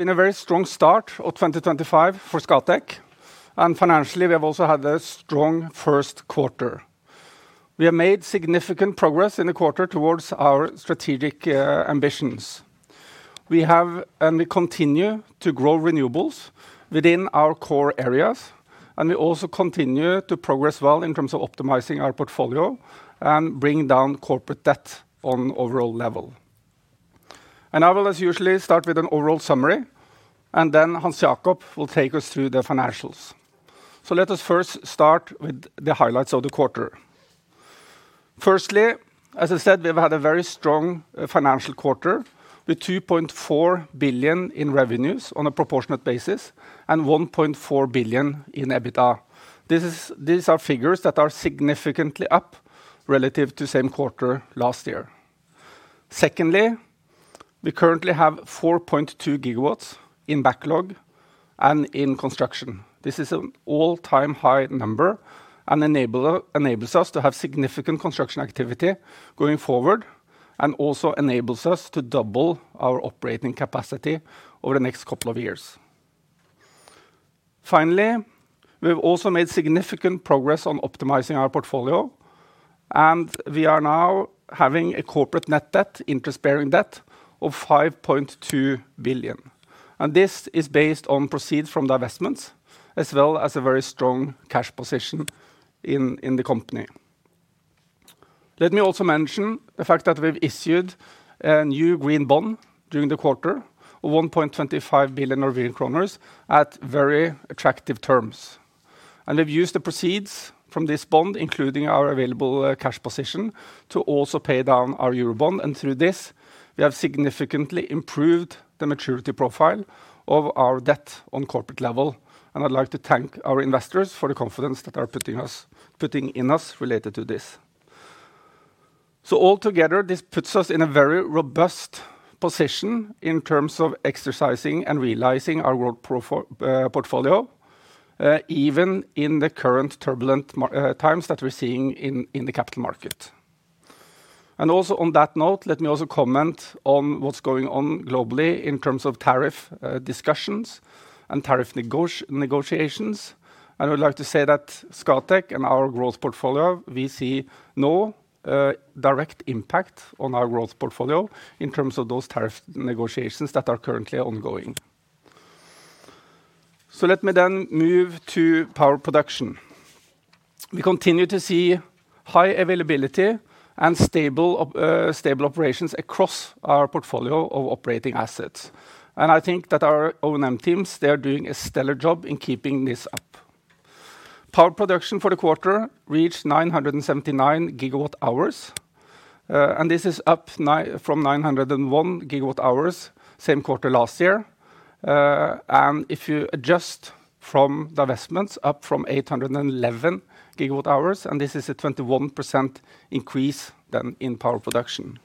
Been a very strong start of 2025 for Scatec, and financially we have also had a strong first quarter. We have made significant progress in the quarter towards our strategic ambitions. We have and we continue to grow renewables within our core areas, and we also continue to progress well in terms of optimizing our portfolio and bringing down corporate debt on an overall level. I will, as usually, start with an overall summary, and then Hans Jakob will take us through the financials. Let us first start with the highlights of the quarter. Firstly, as I said, we've had a very strong financial quarter with 2.4 billion in revenues on a proportionate basis and 1.4 billion in EBITDA. These are figures that are significantly up relative to the same quarter last year. Secondly, we currently have 4.2 GW in backlog and in construction. This is an all-time high number and enables us to have significant construction activity going forward and also enables us to double our operating capacity over the next couple of years. Finally, we have also made significant progress on optimizing our portfolio, and we are now having a corporate net debt, interest-bearing debt of 5.2 billion. This is based on proceeds from the investments, as well as a very strong cash position in the company. Let me also mention the fact that we have issued a new green bond during the quarter of 1.25 billion Norwegian kroner at very attractive terms. We have used the proceeds from this bond, including our available cash position, to also pay down our Eurobond. Through this, we have significantly improved the maturity profile of our debt on corporate level. I would like to thank our investors for the confidence that they are putting in us related to this. Altogether, this puts us in a very robust position in terms of exercising and realizing our growth portfolio, even in the current turbulent times that we are seeing in the capital market. Also on that note, let me comment on what is going on globally in terms of tariff discussions and tariff negotiations. I would like to say that Scatec and our growth portfolio, we see no direct impact on our growth portfolio in terms of those tariff negotiations that are currently ongoing. Let me then move to power production. We continue to see high availability and stable operations across our portfolio of operating assets. I think that our O&M teams, they are doing a stellar job in keeping this up. Power production for the quarter reached 979 GWh, and this is up from 901 GWh, same quarter last year. If you adjust from the investments, up from 811 GWh, and this is a 21% increase then in power production.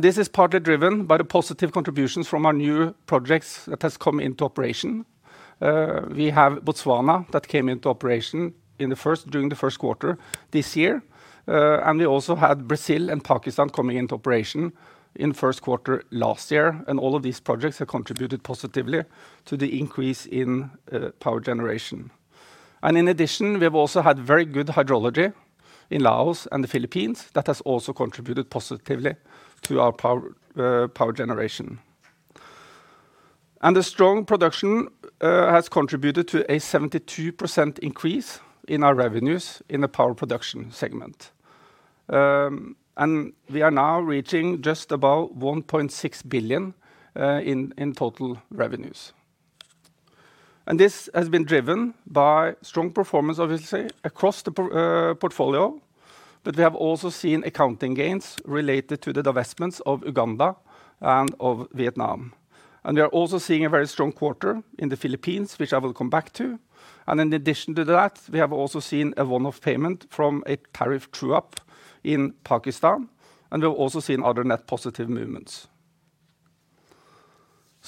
This is partly driven by the positive contributions from our new projects that have come into operation. We have Botswana that came into operation during the first quarter this year. We also had Brazil and Pakistan coming into operation in the first quarter last year. All of these projects have contributed positively to the increase in power generation. In addition, we have also had very good hydrology in Laos and the Philippines that has also contributed positively to our power generation. The strong production has contributed to a 72% increase in our revenues in the power production segment. We are now reaching just about 1.6 billion in total revenues. This has been driven by strong performance, obviously, across the portfolio. We have also seen accounting gains related to the investments of Uganda and of Vietnam. We are also seeing a very strong quarter in the Philippines, which I will come back to. In addition to that, we have also seen a one-off payment from a tariff true-up in Pakistan. We have also seen other net positive movements.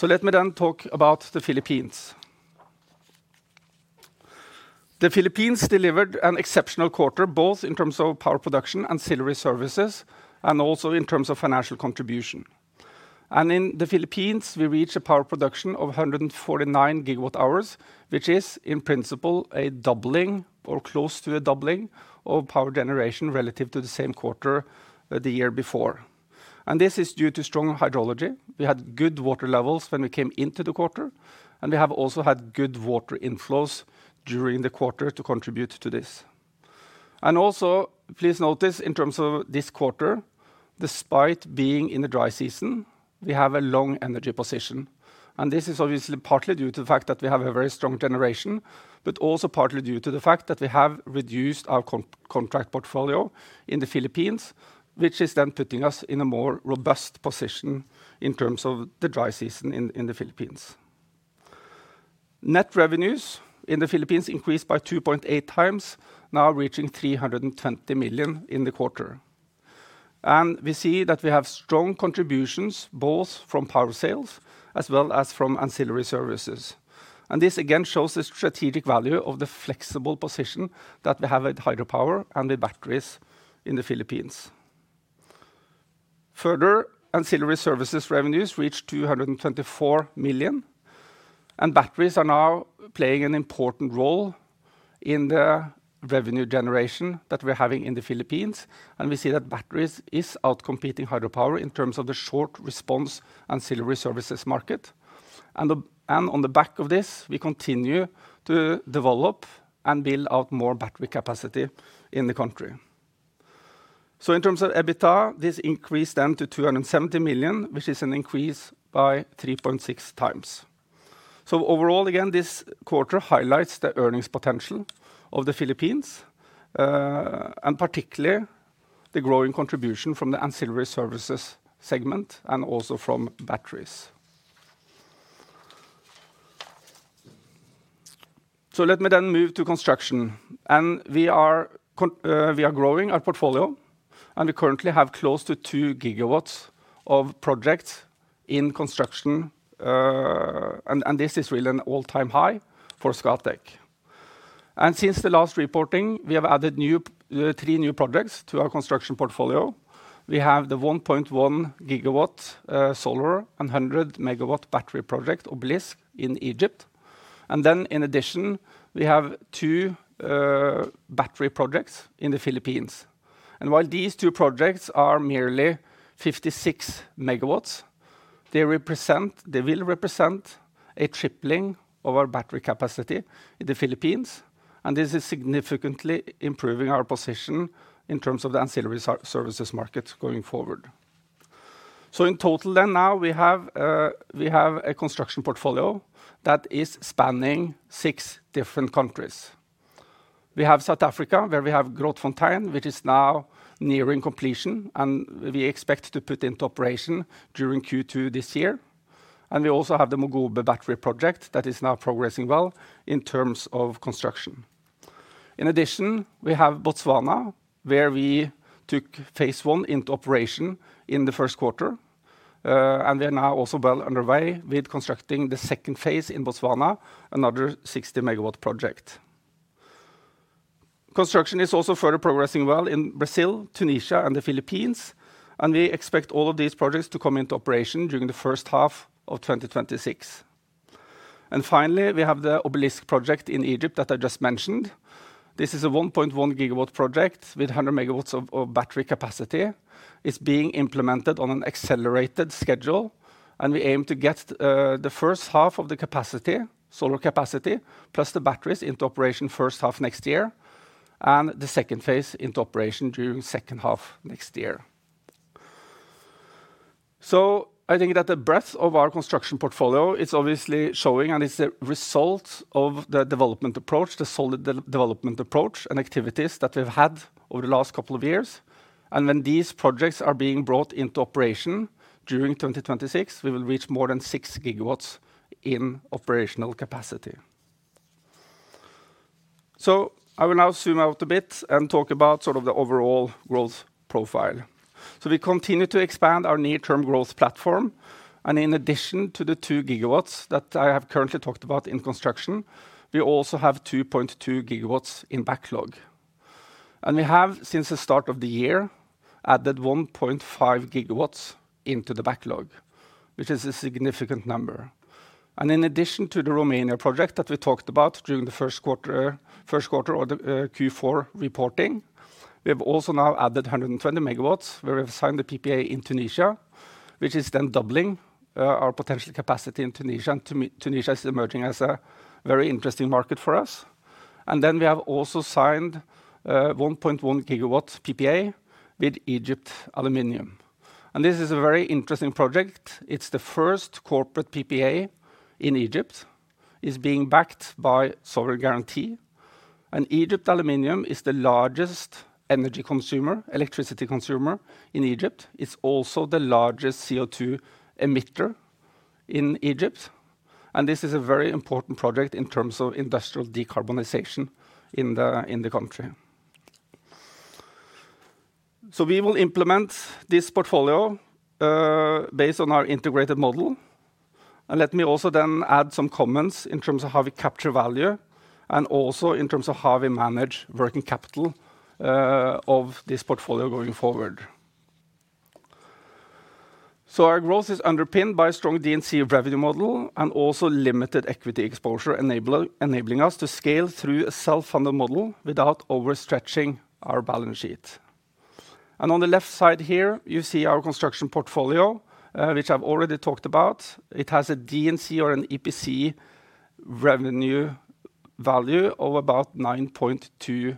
Let me then talk about the Philippines. The Philippines delivered an exceptional quarter, both in terms of power production and ancillary services, and also in terms of financial contribution. In the Philippines, we reached a power production of 149 GWh, which is in principle a doubling or close to a doubling of power generation relative to the same quarter the year before. This is due to strong hydrology. We had good water levels when we came into the quarter, and we have also had good water inflows during the quarter to contribute to this. Also, please notice in terms of this quarter, despite being in the dry season, we have a long energy position. This is obviously partly due to the fact that we have very strong generation, but also partly due to the fact that we have reduced our contract portfolio in the Philippines, which is then putting us in a more robust position in terms of the dry season in the Philippines. Net revenues in the Philippines increased by 2.8x, now reaching 320 million in the quarter. We see that we have strong contributions both from power sales as well as from ancillary services. This again shows the strategic value of the flexible position that we have with hydropower and with batteries in the Philippines. Further, ancillary services revenues reached 224 million, and batteries are now playing an important role in the revenue generation that we're having in the Philippines. We see that batteries are outcompeting hydropower in terms of the short response ancillary services market. On the back of this, we continue to develop and build out more battery capacity in the country. In terms of EBITDA, this increased then to 270 million, which is an increase by 3.6x. Overall, this quarter highlights the earnings potential of the Philippines, and particularly the growing contribution from the ancillary services segment and also from batteries. Let me then move to construction. We are growing our portfolio, and we currently have close to 2 GW of projects in construction. This is really an all-time high for Scatec. Since the last reporting, we have added three new projects to our construction portfolio. We have the 1.1 GW solar and 100 MW battery project Oblisk in Egypt. In addition, we have two battery projects in the Philippines. While these two projects are merely 56 MW, they will represent a tripling of our battery capacity in the Philippines. This is significantly improving our position in terms of the ancillary services market going forward. In total, we now have a construction portfolio that is spanning six different countries. We have South Africa, where we have Grootfontein, which is now nearing completion, and we expect to put into operation during Q2 this year. We also have the Mogoba battery project that is now progressing well in terms of construction. In addition, we have Botswana, where we took phase one into operation in the first quarter. We are now also well underway with constructing the second phase in Botswana, another 60 MW project. Construction is also further progressing well in Brazil, Tunisia, and the Philippines. We expect all of these projects to come into operation during the first half of 2026. Finally, we have the Oblisk project in Egypt that I just mentioned. This is a 1.1 GW project with 100 MW of battery capacity. It is being implemented on an accelerated schedule, and we aim to get the first half of the solar capacity plus the batteries into operation first half next year and the second phase into operation during the second half next year. I think that the breadth of our construction portfolio is obviously showing, and it's a result of the development approach, the solid development approach and activities that we've had over the last couple of years. When these projects are being brought into operation during 2026, we will reach more than 6 GW in operational capacity. I will now zoom out a bit and talk about sort of the overall growth profile. We continue to expand our near-term growth platform. In addition to the 2 GW that I have currently talked about in construction, we also have 2.2 GW in backlog. We have, since the start of the year, added 1.5 GW into the backlog, which is a significant number. In addition to the Romania project that we talked about during the first quarter or Q4 reporting, we have also now added 120 MW, where we have signed the PPA in Tunisia, which is doubling our potential capacity in Tunisia. Tunisia is emerging as a very interesting market for us. We have also signed a 1.1 GW PPA with Egypt Aluminium. This is a very interesting project. It is the first corporate PPA in Egypt. It is being backed by Sovereign Guarantee. Egypt Aluminium is the largest electricity consumer in Egypt. It is also the largest CO2 emitter in Egypt. This is a very important project in terms of industrial decarbonization in the country. We will implement this portfolio based on our integrated model. Let me also then add some comments in terms of how we capture value and also in terms of how we manage working capital of this portfolio going forward. Our growth is underpinned by a strong EPC revenue model and also limited equity exposure, enabling us to scale through a self-funded model without overstretching our balance sheet. On the left side here, you see our construction portfolio, which I have already talked about. It has an EPC revenue value of about 9.2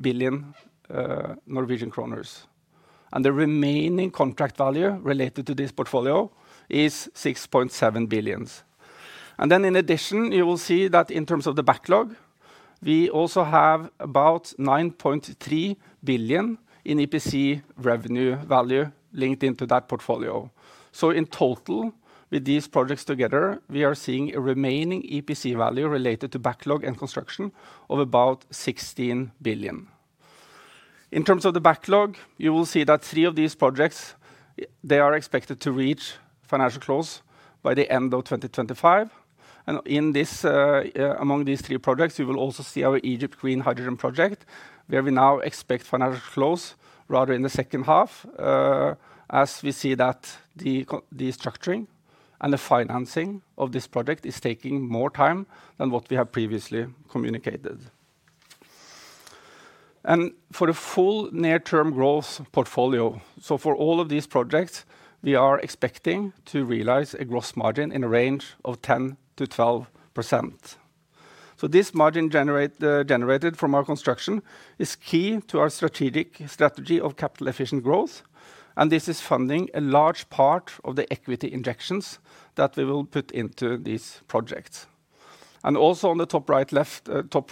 billion Norwegian kroner. The remaining contract value related to this portfolio is 6.7 billion. In addition, you will see that in terms of the backlog, we also have about 9.3 billion in EPC revenue value linked into that portfolio. In total, with these projects together, we are seeing a remaining EPC value related to backlog and construction of about 16 billion. In terms of the backlog, you will see that three of these projects, they are expected to reach financial close by the end of 2025. Among these three projects, you will also see our Egypt Green Hydrogen project, where we now expect financial close rather in the second half, as we see that the structuring and the financing of this project is taking more time than what we have previously communicated. For a full near-term growth portfolio, for all of these projects, we are expecting to realize a gross margin in a range of 10-12%. This margin generated from our construction is key to our strategic strategy of capital efficient growth. This is funding a large part of the equity injections that we will put into these projects. Also, on the top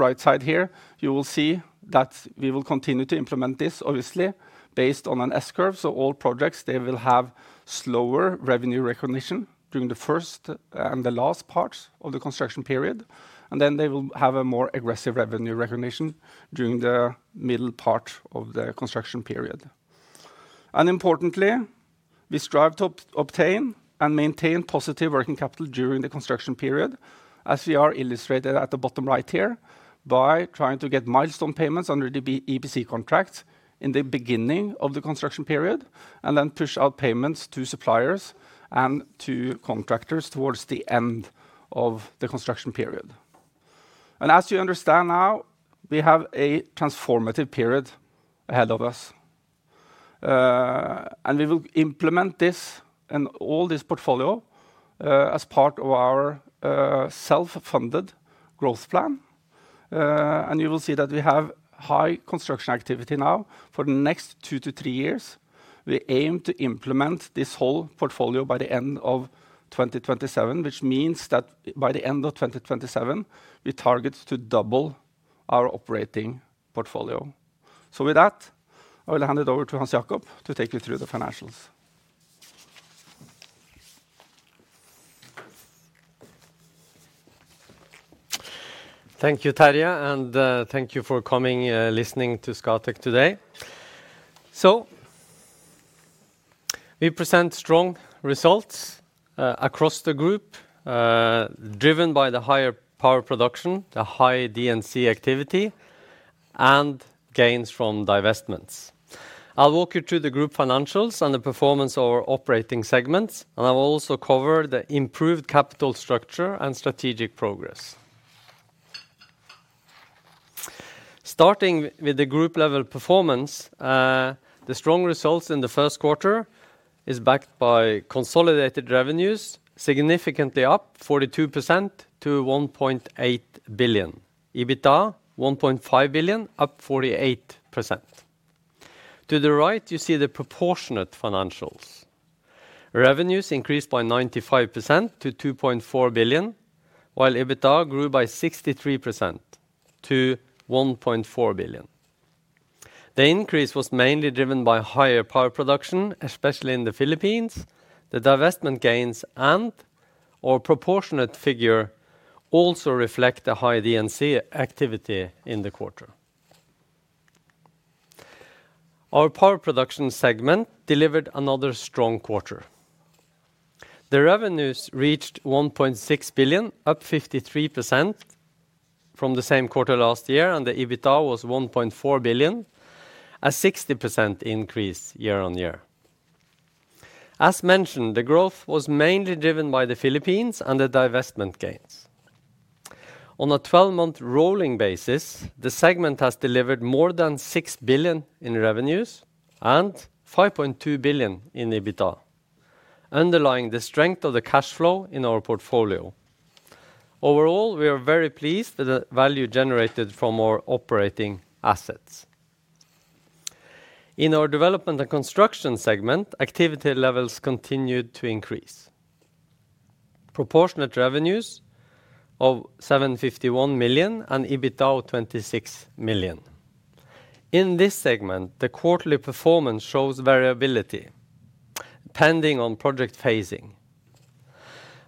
right side here, you will see that we will continue to implement this, obviously, based on an S-curve. All projects will have slower revenue recognition during the first and the last parts of the construction period. They will have a more aggressive revenue recognition during the middle part of the construction period. Importantly, we strive to obtain and maintain positive working capital during the construction period, as we are illustrated at the bottom right here, by trying to get milestone payments under the EPC contract in the beginning of the construction period and then push out payments to suppliers and to contractors towards the end of the construction period. As you understand now, we have a transformative period ahead of us. We will implement this and all this portfolio as part of our self-funded growth plan. You will see that we have high construction activity now for the next two to three years. We aim to implement this whole portfolio by the end of 2027, which means that by the end of 2027, we target to double our operating portfolio. With that, I will hand it over to Hans Jakob to take you through the financials. Thank you, Terje, and thank you for coming and listening to Scatec today. We present strong results across the group, driven by the higher power production, the high DNC activity, and gains from divestments. I'll walk you through the group financials and the performance of our operating segments, and I'll also cover the improved capital structure and strategic progress. Starting with the group level performance, the strong results in the first quarter are backed by consolidated revenues, significantly up 42% to 1.8 billion. EBITDA, 1.5 billion, up 48%. To the right, you see the proportionate financials. Revenues increased by 95% to 2.4 billion, while EBITDA grew by 63% to 1.4 billion. The increase was mainly driven by higher power production, especially in the Philippines. The divestment gains and our proportionate figure also reflect the high DNC activity in the quarter. Our power production segment delivered another strong quarter. The revenues reached 1.6 billion, up 53% from the same quarter last year, and the EBITDA was 1.4 billion, a 60% increase year-on-year. As mentioned, the growth was mainly driven by the Philippines and the divestment gains. On a 12-month rolling basis, the segment has delivered more than 6 billion in revenues and 5.2 billion in EBITDA, underlying the strength of the cash flow in our portfolio. Overall, we are very pleased with the value generated from our operating assets. In our development and construction segment, activity levels continued to increase. Proportionate revenues of 751 million and EBITDA of 26 million. In this segment, the quarterly performance shows variability pending on project phasing.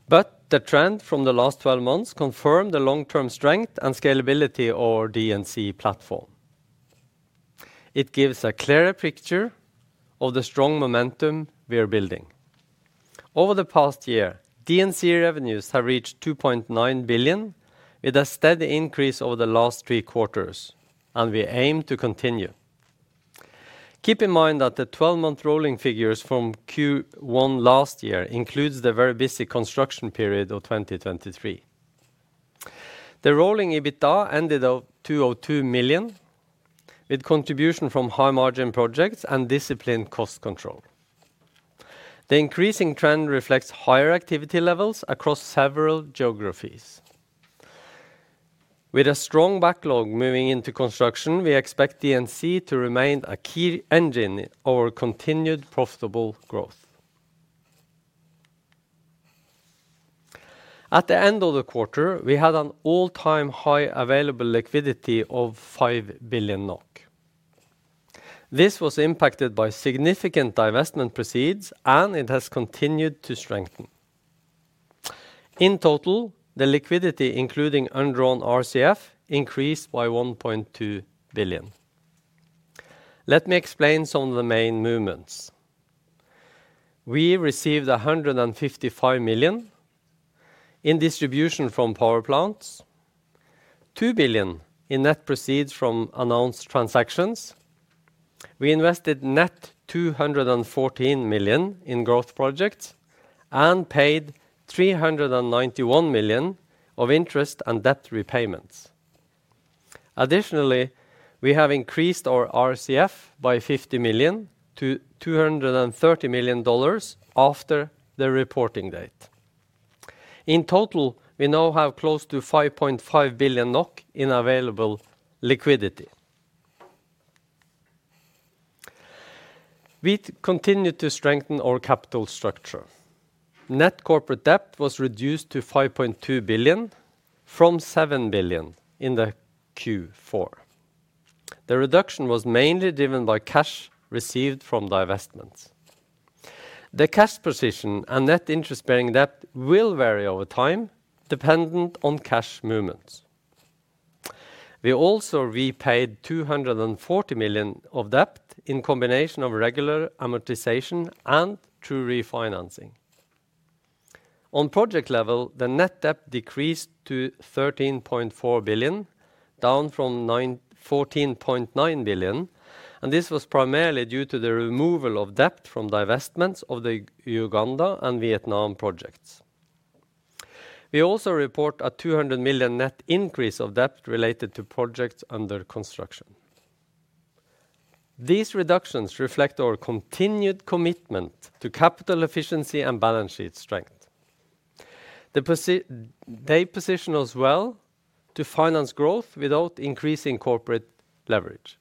The trend from the last 12 months confirmed the long-term strength and scalability of our DNC platform. It gives a clearer picture of the strong momentum we are building. Over the past year, DNC revenues have reached 2.9 billion, with a steady increase over the last three quarters, and we aim to continue. Keep in mind that the 12-month rolling figures from Q1 last year include the very busy construction period of 2023. The rolling EBITDA ended up at 202 million, with contribution from high-margin projects and disciplined cost control. The increasing trend reflects higher activity levels across several geographies. With a strong backlog moving into construction, we expect DNC to remain a key engine of our continued profitable growth. At the end of the quarter, we had an all-time high available liquidity of 5 billion NOK. This was impacted by significant divestment proceeds, and it has continued to strengthen. In total, the liquidity, including earned drawn RCF, increased by 1.2 billion. Let me explain some of the main movements. We received 155 million in distribution from power plants, 2 billion in net proceeds from announced transactions. We invested net 214 million in growth projects and paid 391 million of interest and debt repayments. Additionally, we have increased our RCF by $50 million to $230 million after the reporting date. In total, we now have close to 5.5 billion NOK in available liquidity. We continue to strengthen our capital structure. Net corporate debt was reduced to 5.2 billion from 7 billion in Q4. The reduction was mainly driven by cash received from divestments. The cash position and net interest-bearing debt will vary over time, dependent on cash movements. We also repaid 240 million of debt in combination of regular amortization and true refinancing. On project level, the net debt decreased to 13.4 billion, down from 14.9 billion, and this was primarily due to the removal of debt from divestments of the Uganda and Vietnam projects. We also report a 200 million net increase of debt related to projects under construction. These reductions reflect our continued commitment to capital efficiency and balance sheet strength. They position us well to finance growth without increasing corporate leverage.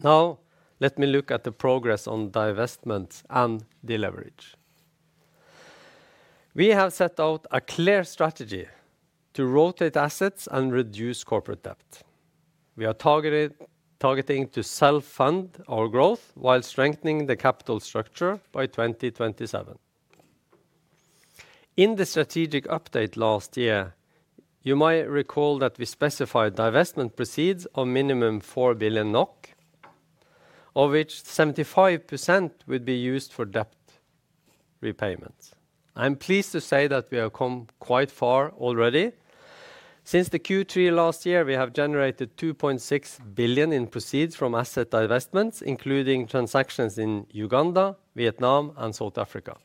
Now, let me look at the progress on divestments and deleverage. We have set out a clear strategy to rotate assets and reduce corporate debt. We are targeting to self-fund our growth while strengthening the capital structure by 2027. In the strategic update last year, you might recall that we specified divestment proceeds of minimum 4 billion NOK, of which 75% would be used for debt repayments. I'm pleased to say that we have come quite far already. Since the Q3 last year, we have generated 2.6 billion in proceeds from asset divestments, including transactions in Uganda, Vietnam, and South Africa.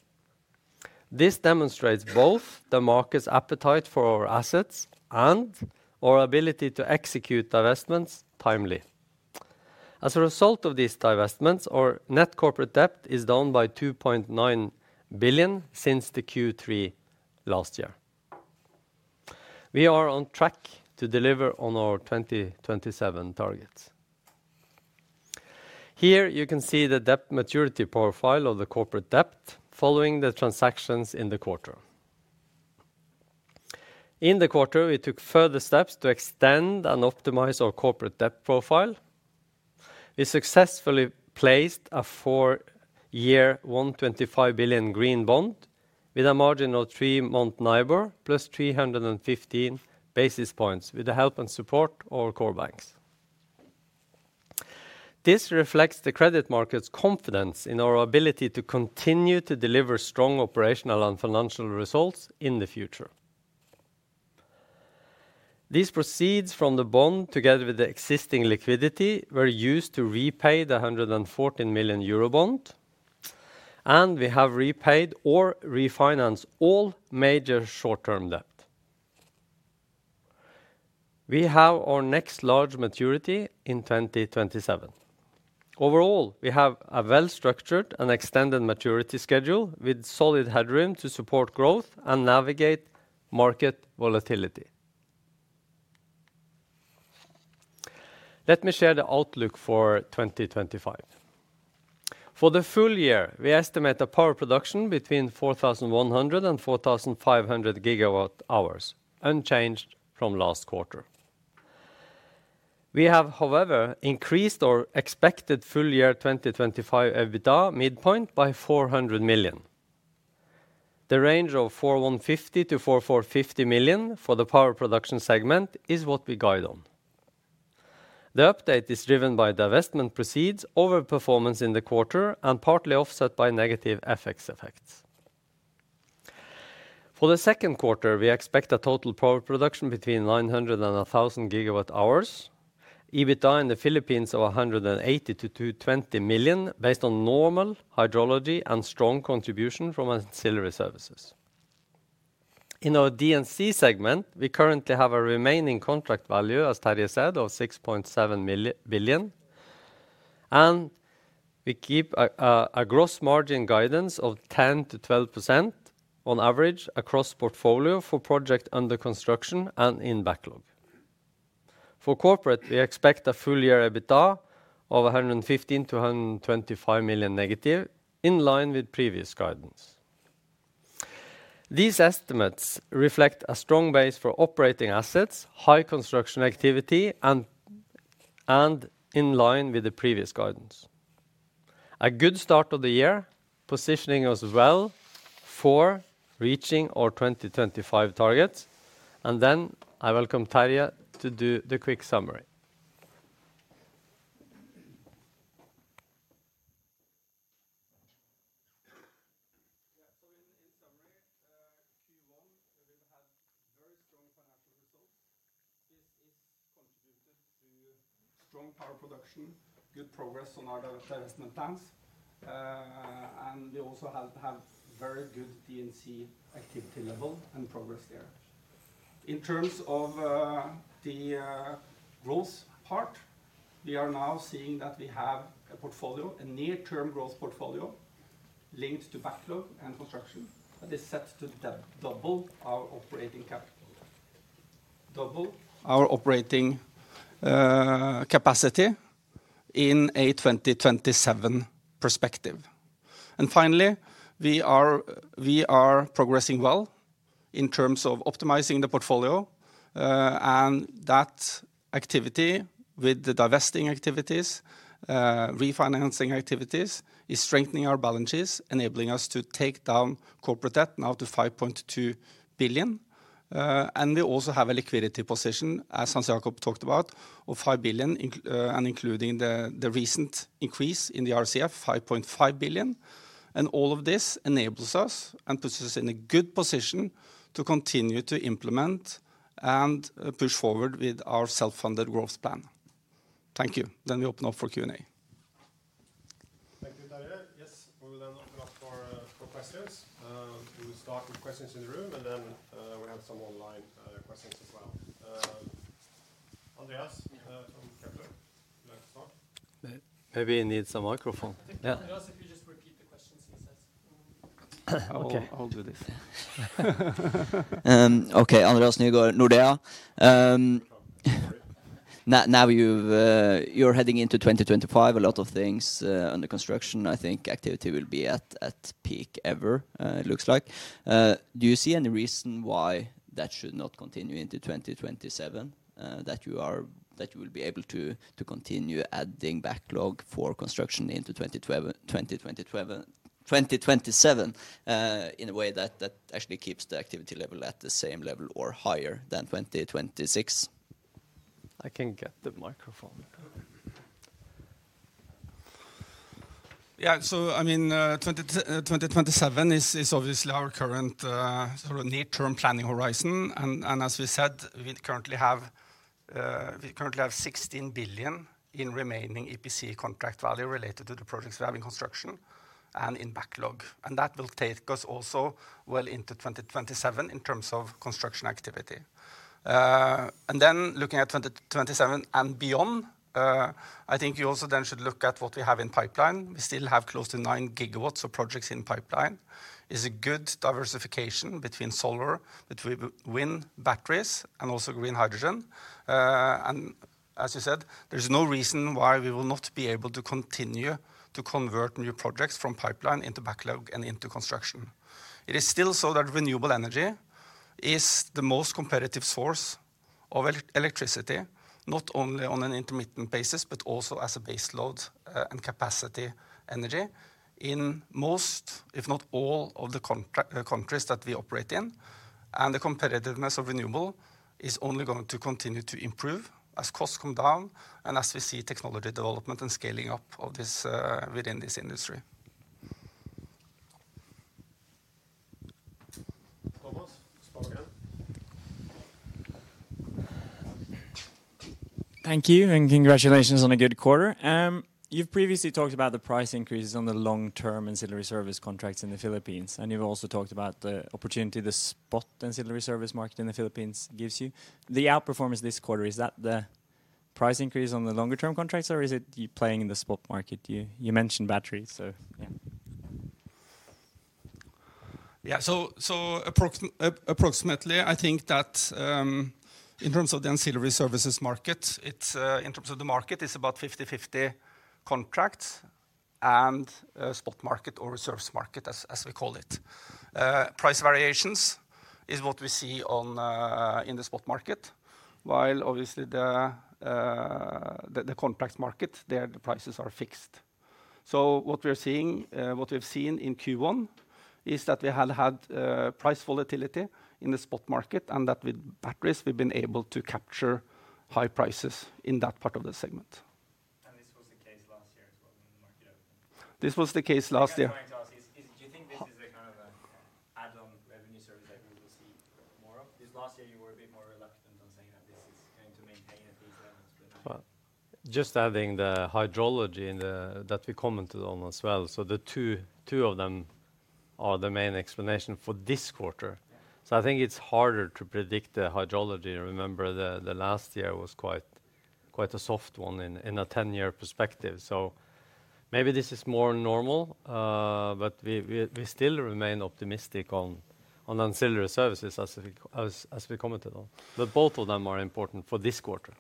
This demonstrates both the market's appetite for our assets and our ability to execute divestments timely. As a result of these divestments, our net corporate debt is down by 2.9 billion since the Q3 last year. We are on track to deliver on our 2027 targets. Here you can see the debt maturity profile of the corporate debt following the transactions in the quarter. In the quarter, we took further steps to extend and optimize our corporate debt profile. We successfully placed a four-year 1.25 billion green bond with a margin of three-month NIBOR plus 315 basis points with the help and support of our core banks. This reflects the credit market's confidence in our ability to continue to deliver strong operational and financial results in the future. These proceeds from the bond, together with the existing liquidity, were used to repay the 114 million euro bond, and we have repaid or refinanced all major short-term debt. We have our next large maturity in 2027. Overall, we have a well-structured and extended maturity schedule with solid headroom to support growth and navigate market volatility. Let me share the outlook for 2025. For the full year, we estimate a power production between 4,100 and 4,500 GWh, unchanged from last quarter. We have, however, increased our expected full year 2025 EBITDA midpoint by 400 million. The range of 4,150 million-4,450 million for the power production segment is what we guide on. The update is driven by divestment proceeds, overperformance in the quarter, and partly offset by negative FX effects. For the second quarter, we expect a total power production between 900 GWh and 1,000 GWh, EBITDA in the Philippines of 180 million-220 million based on normal hydrology and strong contribution from ancillary services. In our DNC segment, we currently have a remaining contract value, as Terje said, of 6.7 billion, and we keep a gross margin guidance of 10%-12% on average across portfolio for projects under construction and in backlog. For corporate, we expect a full year EBITDA of 115 million-125 million negative, in line with previous guidance. These estimates reflect a strong base for operating assets, high construction activity, and in line with the previous guidance. A good start of the year, positioning us well for reaching our 2025 targets. I welcome Terje to do the quick summary. Yeah, in summary, Q1, we've had very strong financial results. This is contributed to strong power production, good progress on our divestment plans, and we also have very good DNC activity level and progress there. In terms of the growth part, we are now seeing that we have a portfolio, a near-term growth portfolio linked to backlog and construction that is set to double our operating capital. Double our operating capacity in a 2027 perspective. Finally, we are progressing well in terms of optimizing the portfolio, and that activity with the divesting activities, refinancing activities, is strengthening our balances, enabling us to take down corporate debt now to 5.2 billion. We also have a liquidity position, as Hans Jakob talked about, of 5 billion, including the recent increase in the RCF, 5.5 billion. All of this enables us and puts us in a good position to continue to implement and push forward with our self-funded growth plan. Thank you. We open up for Q&A. Thank you, Terje. Yes, we will then open up for questions. We will start with questions in the room, and then we have some online questions as well. Andreas from Nordea, would you like to start? Maybe you need some microphone. Yeah. Andreas, if you just repeat the questions he says. Okay. I'll do this. Okay, Andreas, now you go Nordea. Now you're heading into 2025, a lot of things under construction, I think activity will be at peak ever, it looks like. Do you see any reason why that should not continue into 2027, that you will be able to continue adding backlog for construction into 2027 in a way that actually keeps the activity level at the same level or higher than 2026? I can get the microphone. Yeah, so I mean, 2027 is obviously our current sort of near-term planning horizon. As we said, we currently have 16 billion in remaining EPC contract value related to the projects we have in construction and in backlog. That will take us also well into 2027 in terms of construction activity. Looking at 2027 and beyond, I think you also then should look at what we have in pipeline. We still have close to 9 GW of projects in pipeline. It is a good diversification between solar, between wind batteries, and also green hydrogen. As you said, there is no reason why we will not be able to continue to convert new projects from pipeline into backlog and into construction. It is still so that renewable energy is the most competitive source of electricity, not only on an intermittent basis, but also as a baseload and capacity energy in most, if not all, of the countries that we operate in. The competitiveness of renewable is only going to continue to improve as costs come down and as we see technology development and scaling up within this industry. Thomas. Thank you, and congratulations on a good quarter. You've previously talked about the price increases on the long-term ancillary service contracts in the Philippines, and you've also talked about the opportunity the spot ancillary service market in the Philippines gives you. The outperformance this quarter, is that the price increase on the longer-term contracts, or is it playing in the spot market? You mentioned batteries, so yeah. Yeah, so approximately, I think that in terms of the ancillary services market, in terms of the market, it's about 50/50 contracts and spot market or reserves market, as we call it. Price variations is what we see in the spot market, while obviously the contract market, there the prices are fixed. What we're seeing, what we've seen in Q1, is that we had had price volatility in the spot market and that with batteries, we've been able to capture high prices in that part of the segment. This was the case last year. What I was going to ask is, do you think this is a kind of an add-on revenue service that we will see more of? Last year you were a bit more reluctant on saying that this is going to maintain a feature and explanation. Just adding the hydrology that we commented on as well. The two of them are the main explanation for this quarter. I think it is harder to predict the hydrology. Remember, last year was quite a soft one in a 10-year perspective. Maybe this is more normal, but we still remain optimistic on ancillary services as we commented on. Both of them are important for this quarter.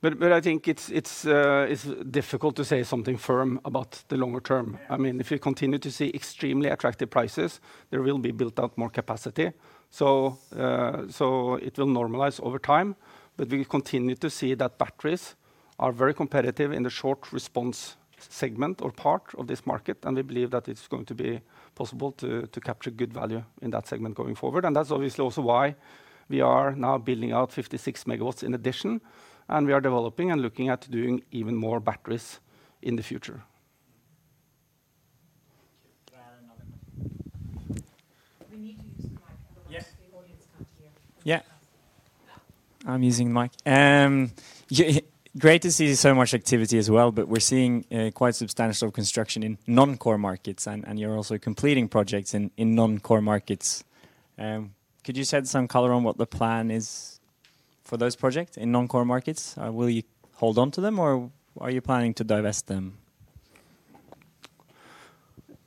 I think it is difficult to say something firm about the longer term. I mean, if you continue to see extremely attractive prices, there will be built out more capacity. It will normalize over time. We continue to see that batteries are very competitive in the short response segment or part of this market. We believe that it's going to be possible to capture good value in that segment going forward. That's obviously also why we are now building out 56 MW in addition. We are developing and looking at doing even more batteries in the future. We need to use the mic. The audience can't hear. Yeah. I'm using the mic. Great to see so much activity as well, but we're seeing quite substantial construction in non-core markets. You're also completing projects in non-core markets. Could you shed some color on what the plan is for those projects in non-core markets? Will you hold on to them, or are you planning to divest them?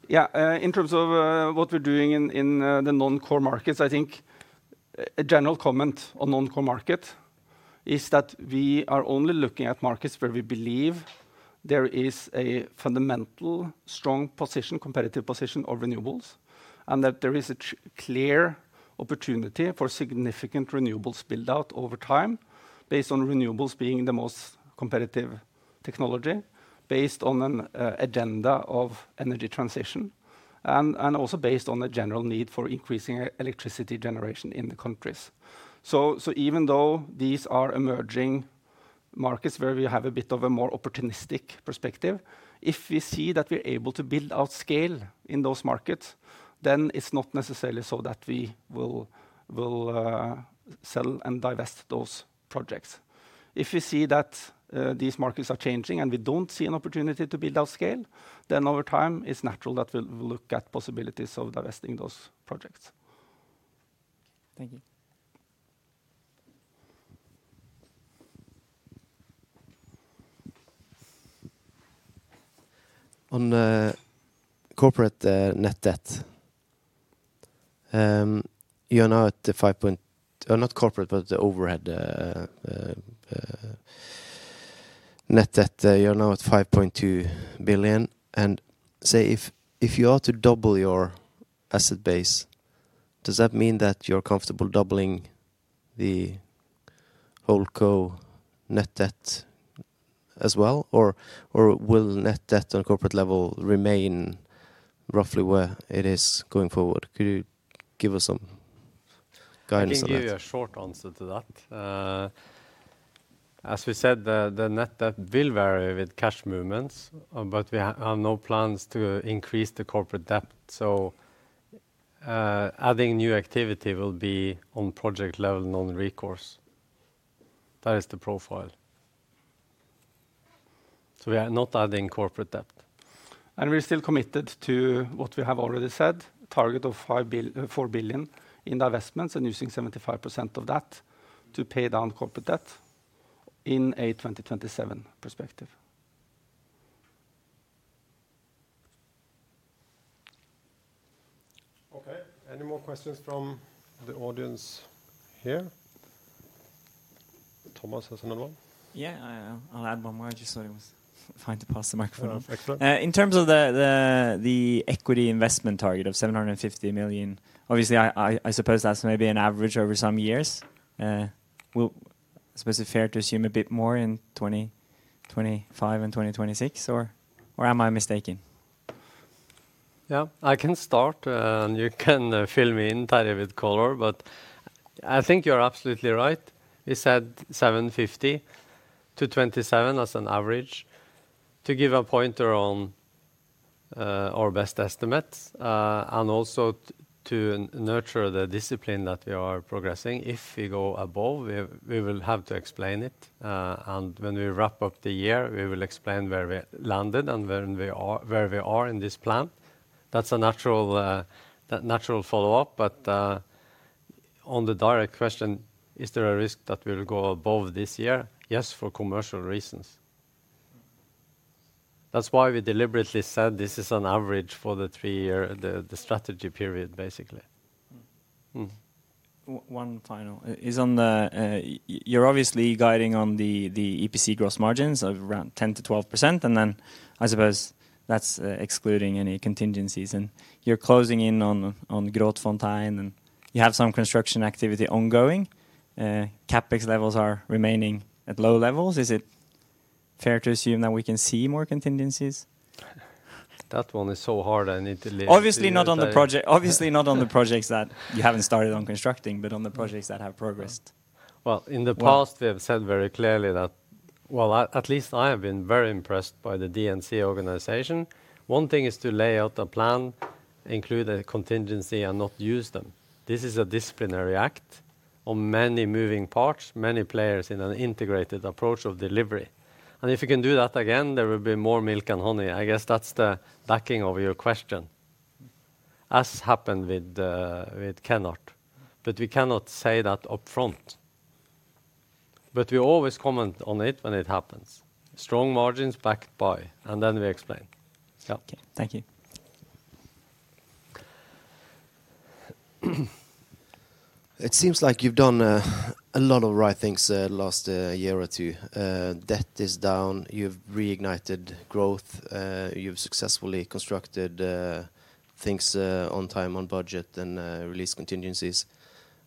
Yeah, in terms of what we're doing in the non-core markets, I think a general comment on non-core market is that we are only looking at markets where we believe there is a fundamental strong position, competitive position of renewables, and that there is a clear opportunity for significant renewables build-out over time based on renewables being the most competitive technology based on an agenda of energy transition and also based on a general need for increasing electricity generation in the countries. Even though these are emerging markets where we have a bit of a more opportunistic perspective, if we see that we're able to build out scale in those markets, then it's not necessarily so that we will sell and divest those projects. If we see that these markets are changing and we do not see an opportunity to build out scale, then over time it is natural that we will look at possibilities of divesting those projects. Thank you. On corporate net debt, you are now at 5.2 billion. You are not corporate, but the overhead net debt, you are now at 5.2 billion. If you are to double your asset base, does that mean that you are comfortable doubling the holdco net debt as well, or will net debt on corporate level remain roughly where it is going forward? Could you give us some guidance on that? Maybe a short answer to that. As we said, the net debt will vary with cash movements, but we have no plans to increase the corporate debt. Adding new activity will be on project level, non-recourse. That is the profile. We are not adding corporate debt. We're still committed to what we have already said, target of 4 billion in divestments and using 75% of that to pay down corporate debt in a 2027 perspective. Okay, any more questions from the audience here? Thomas, has anyone? Yeah, I'll add one more. I just thought it was fine to pass the microphone. In terms of the equity investment target of 750 million, obviously, I suppose that's maybe an average over some years. I suppose it's fair to assume a bit more in 2025 and 2026, or am I mistaken? Yeah, I can start, and you can fill me in, Terje, with color, but I think you're absolutely right. We said 750 million to 2027 as an average to give a pointer on our best estimates and also to nurture the discipline that we are progressing. If we go above, we will have to explain it. When we wrap up the year, we will explain where we landed and where we are in this plan. That is a natural follow-up. On the direct question, is there a risk that we will go above this year? Yes, for commercial reasons. That is why we deliberately said this is an average for the three-year strategy period, basically. One final. You are obviously guiding on the EPC gross margins of around 10%-12%, and then I suppose that is excluding any contingencies. You are closing in on Grootfontein, and you have some construction activity ongoing. CapEx levels are remaining at low levels. Is it fair to assume that we can see more contingencies? That one is so hard. I need to list. Obviously not on the projects that you have not started on constructing, but on the projects that have progressed. In the past, we have said very clearly that, at least I have been very impressed by the DNC organization. One thing is to lay out a plan, include a contingency, and not use them. This is a disciplinary act on many moving parts, many players in an integrated approach of delivery. If you can do that again, there will be more milk and honey. I guess that is the backing of your question, as happened with Kennard. We cannot say that upfront. We always comment on it when it happens. Strong margins backed by, and then we explain. Okay, thank you. It seems like you have done a lot of right things the last year or two. Debt is down. You have reignited growth. You have successfully constructed things on time, on budget, and released contingencies.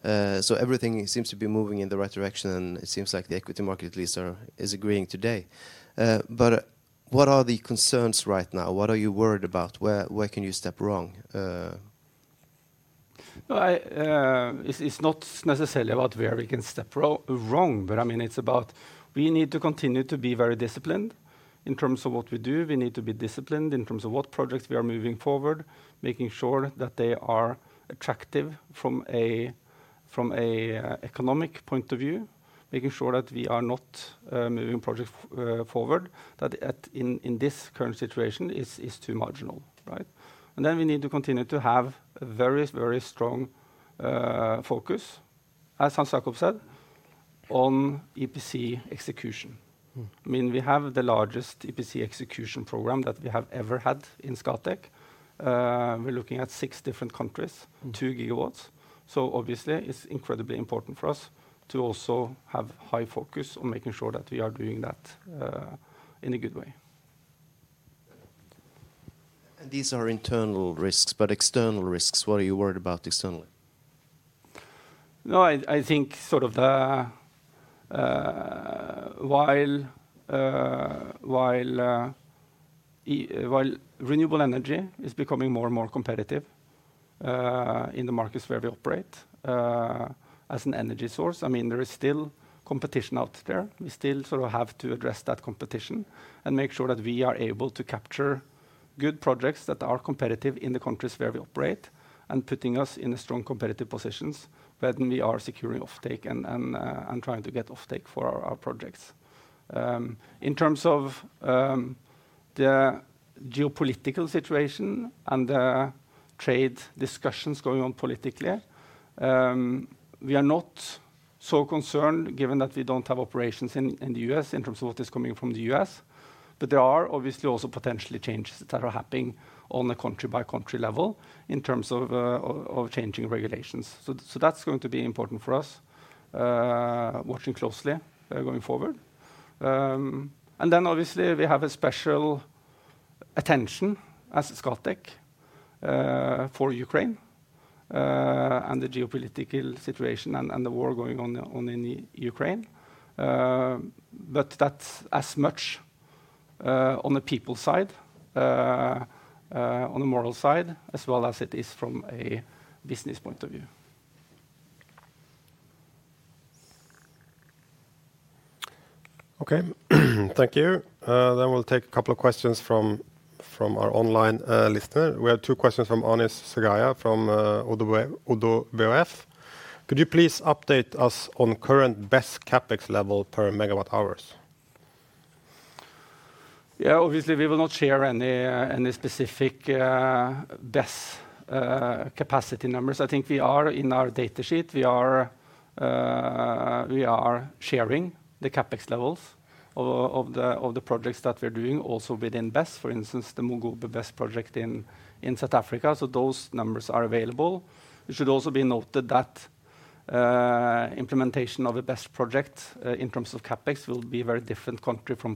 Everything seems to be moving in the right direction, and it seems like the equity market at least is agreeing today. What are the concerns right now? What are you worried about? Where can you step wrong? It's not necessarily about where we can step wrong, but I mean, it's about we need to continue to be very disciplined in terms of what we do. We need to be disciplined in terms of what projects we are moving forward, making sure that they are attractive from an economic point of view, making sure that we are not moving projects forward that in this current situation is too marginal. We need to continue to have a very, very strong focus, as Hans Jakob said, on EPC execution. I mean, we have the largest EPC execution program that we have ever had in Scatec. We're looking at six different countries, 2 GW. Obviously, it's incredibly important for us to also have high focus on making sure that we are doing that in a good way. These are internal risks, but external risks, what are you worried about externally? No, I think sort of while renewable energy is becoming more and more competitive in the markets where we operate as an energy source, I mean, there is still competition out there. We still sort of have to address that competition and make sure that we are able to capture good projects that are competitive in the countries where we operate and putting us in strong competitive positions when we are securing offtake and trying to get offtake for our projects. In terms of the geopolitical situation and the trade discussions going on politically, we are not so concerned given that we do not have operations in the U.S. in terms of what is coming from the U.S. There are obviously also potentially changes that are happening on a country-by-country level in terms of changing regulations. That is going to be important for us, watching closely going forward. Obviously, we have a special attention as Scatec for Ukraine and the geopolitical situation and the war going on in Ukraine. That is as much on the people side, on the moral side, as well as it is from a business point of view. Okay, thank you. We will take a couple of questions from our online listener. We have two questions from Anis Zgaya from ODDO BHF. Could you please update us on current best CapEx level per megawatt hours? Yeah, obviously, we will not share any specific BESS capacity numbers. I think we are in our data sheet. We are sharing the CapEx levels of the projects that we're doing also within BESS. For instance, the Mogoba BESS project in South Africa. So those numbers are available. It should also be noted that implementation of a BESS project in terms of CapEx will be very different country from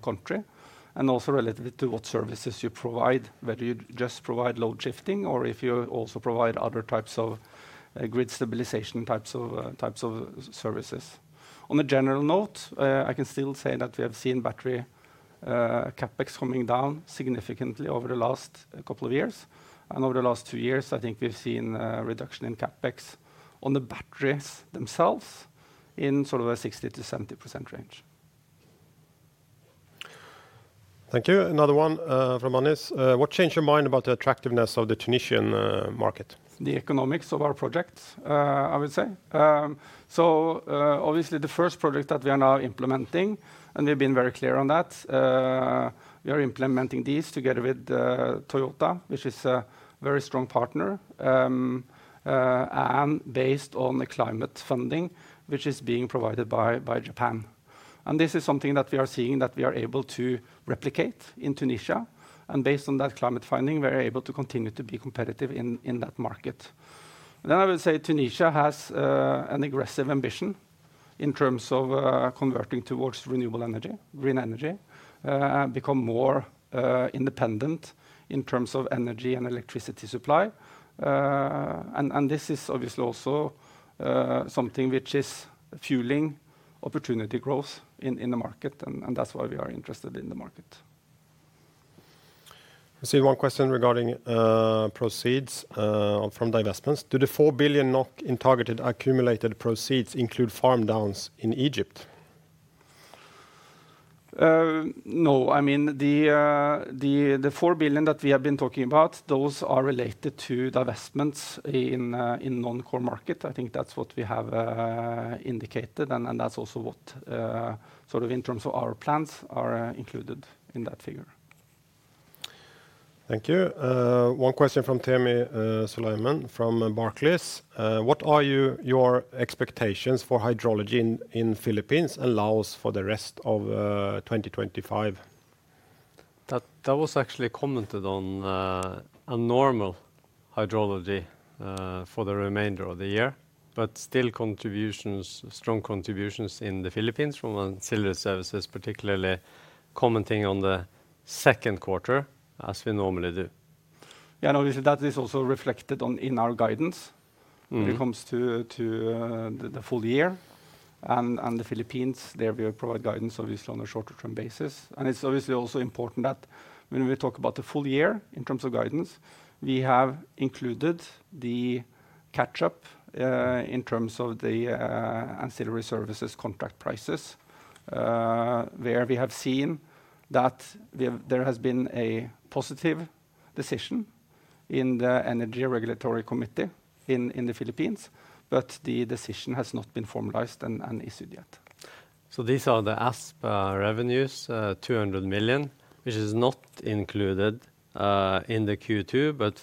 country and also relative to what services you provide, whether you just provide load shifting or if you also provide other types of grid stabilization types of services. On a general note, I can still say that we have seen battery CapEx coming down significantly over the last couple of years. Over the last two years, I think we've seen a reduction in CapEx on the batteries themselves in sort of a 60%-70% range. Thank you. Another one from Anis. What changed your mind about the attractiveness of the Tunisian market? The economics of our projects, I would say. Obviously, the first project that we are now implementing, and we've been very clear on that, we are implementing these together with Toyota, which is a very strong partner and based on the climate funding, which is being provided by Japan. This is something that we are seeing that we are able to replicate in Tunisia. Based on that climate funding, we are able to continue to be competitive in that market. I would say Tunisia has an aggressive ambition in terms of converting towards renewable energy, green energy, become more independent in terms of energy and electricity supply. This is obviously also something which is fueling opportunity growth in the market, and that's why we are interested in the market. I see one question regarding proceeds from divestments. Do the 4 billion NOK in targeted accumulated proceeds include farm downs in Egypt? No, I mean, the 4 billion that we have been talking about, those are related to divestments in non-core market. I think that's what we have indicated, and that's also what sort of in terms of our plans are included in that figure. Thank you. One question from Tammy Suleiman from Barclays. What are your expectations for hydrology in the Philippines and Laos for the rest of 2025? That was actually commented on. Normal hydrology for the remainder of the year, but still strong contributions in the Philippines from Ancillary Services, particularly commenting on the second quarter as we normally do. Yeah, and obviously that is also reflected in our guidance when it comes to the full year. In the Philippines, there we provide guidance obviously on a shorter-term basis. It is obviously also important that when we talk about the full year in terms of guidance, we have included the catch-up in terms of the ancillary services contract prices, where we have seen that there has been a positive decision in the Energy Regulatory Committee in the Philippines, but the decision has not been formalized and issued yet. These are the ASP revenues, 200 million, which is not included in Q2, but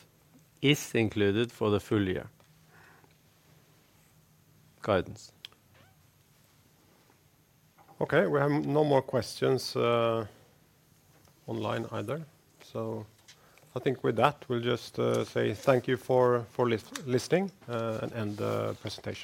is included for the full year guidance. Okay, we have no more questions online either. I think with that, we will just say thank you for listening and the presentation.